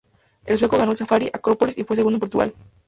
El sueco ganó el Safari, Acrópolis y fue segundo en Portugal.